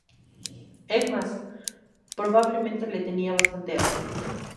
Es más, probablemente le tenía bastante asco"".